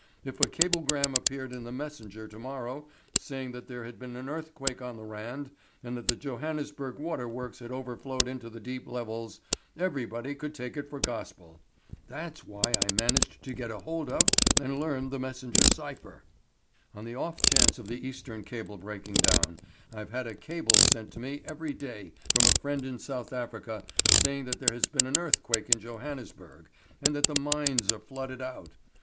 If a cablegram appeared in The Messenger to morrow saying that there had been an earthquake on the Rand, and that the Johannesburg water works had overflowed into the deep levels everybody could take it for gospel. That's why I managed to get hold of and learn The Messenger cypher. "On the off chance of the Eastern cable breaking down, I've had a cable sent to me every day from a friend in South Africa saying that there has been an earthquake in Johannesburg, and that the mines are flooded out.